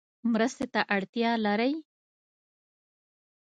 مرستې ته اړتیا لری؟